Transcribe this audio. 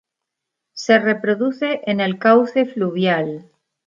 Se reproduce en el cauce fluvial.